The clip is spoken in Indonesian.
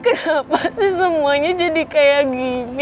kenapa sih semuanya jadi kayak gini